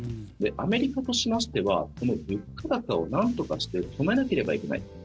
アメリカとしましてはこの物価高を、なんとかして止めなければいけない。